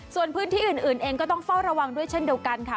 ส่วนพื้นที่อื่นเองก็ต้องเฝ้าระวังด้วยเช่นเดียวกันค่ะ